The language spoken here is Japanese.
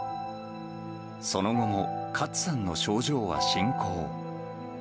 その後もカツさんの症状は進行。